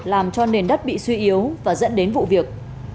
làm cho nền đất bị suy yếu và dẫn đến vụ việc